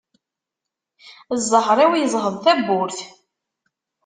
Ẓẓher-iw yeẓheḍ tabburt.